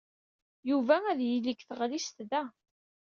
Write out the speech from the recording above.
Yuba ad yili deg tɣellist da.